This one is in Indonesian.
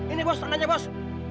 ini bos tangannya bos